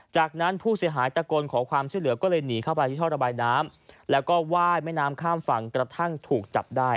จากนั้นผู้เสียหายตะโกนขอความช่วยเหลือก็เลยหนีเข้าไปที่ท่อระบายน้ำแล้วก็ไหว้แม่น้ำข้ามฝั่งกระทั่งถูกจับได้